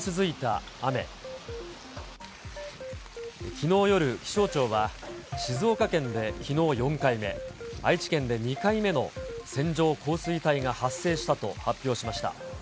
きのう夜、気象庁は、静岡県できのう４回目、愛知県で２回目の線状降水帯が発生したと発表しました。